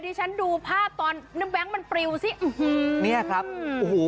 ดิฉันดูภาพตอนนึกแบงก์มันปริวสิอื้อฮือเนี่ยครับอุ้หู